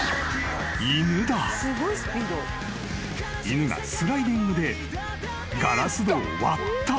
・［犬がスライディングでガラス戸を割った］